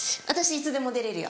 いつでも出れるよ。